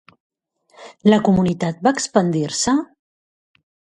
La comunitat va expandir-se?